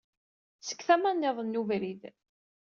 Seg tama-nniḍen n ubrid.